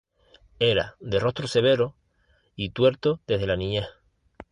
Era de rostro severo y tuerto desde la niñez.